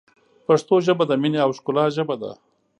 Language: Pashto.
پښتو ژبه ، د مینې او ښکلا ژبه ده.